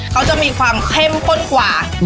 เขาจะมีความเข้มข้นกว่า